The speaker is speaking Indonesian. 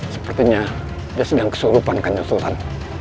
sepertinya dia sedang keselurupan kanjar sultan